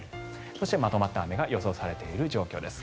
そして、まとまった雨が予想されている状況です。